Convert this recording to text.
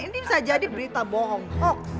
ini bisa jadi berita bohong hoax